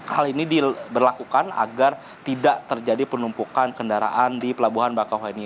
hal ini diberlakukan agar tidak terjadi penumpukan kendaraan di pelabuhan bakauheni